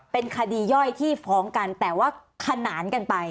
เป็นคดีย่อยที่ฟ้องกันแต่ว่าขนานกันไป